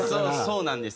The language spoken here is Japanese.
そうなんです。